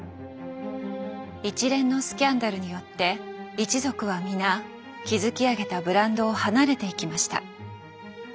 一連のスキャンダルによって一族は皆築き上げたブランドを離れていきました。